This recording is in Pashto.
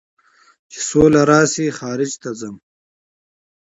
چې سوله راشي خارج ته ځم